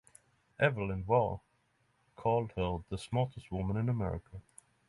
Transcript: Evelyn Waugh called her "the smartest woman in America".